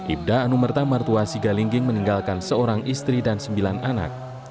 ibda anumerta martua sigalingging meninggalkan seorang istri dan sembilan anak